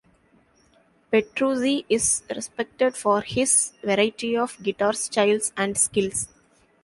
Petrucci is respected for his variety of guitar styles and skills.